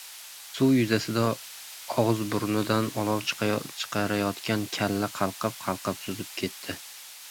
Suv yuzasida «og‘iz-burni»dan olov chiqarayotgan «kalla» qalqib-qalqib suzib ketdi.